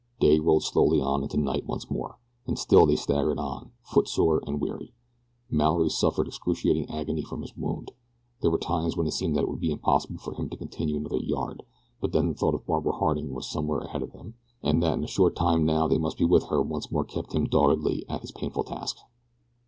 Day rolled slowly on into night once more. And still they staggered on, footsore and weary. Mallory suffered excruciating agony from his wound. There were times when it seemed that it would be impossible for him to continue another yard; but then the thought that Barbara Harding was somewhere ahead of them, and that in a short time now they must be with her once more kept him doggedly at his painful task.